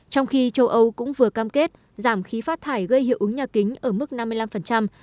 trong khi châu âu cũng vừa cam kết giảm khí phát thải gây hiệu ứng nhà kính ở mức năm mươi năm đến năm hai nghìn ba mươi